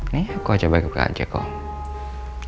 nih aku aja baik baik aja kok